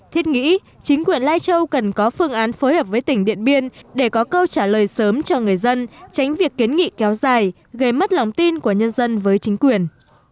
thiết nghĩ chính quyền lai châu cần có phương án phối hợp với tỉnh điện biên để có câu trả lời sớm cho người dân tránh việc kiến nghị kéo dài gây mất lòng tin của nhân dân với chính quyền